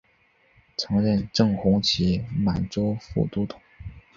曾任正红旗满洲副都统。